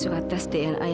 setelah brandon bernyanyi